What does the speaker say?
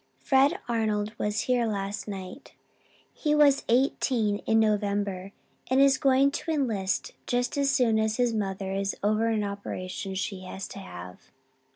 "Fred Arnold was here last night. He was eighteen in November and is going to enlist just as soon as his mother is over an operation she has to have.